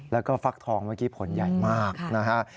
แล้วก็ฟักทองเมื่อกี้ผลใหญ่มากนะฮะ